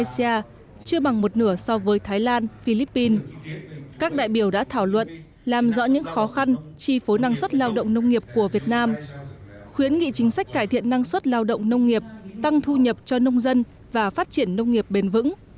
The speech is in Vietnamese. các đại biểu đã thảo luận làm rõ những khó khăn chi phối năng suất lao động nông nghiệp của việt nam khuyến nghị chính sách cải thiện năng suất lao động nông nghiệp tăng thu nhập cho nông dân và phát triển nông nghiệp bền vững